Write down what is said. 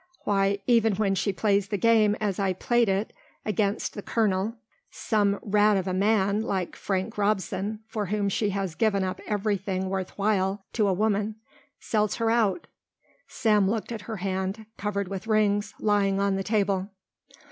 Why, even when she plays the game as I played it against the colonel some rat of a man like Frank Robson, for whom she has given up everything worth while to a woman, sells her out." Sam looked at her hand, covered with rings, lying on the table.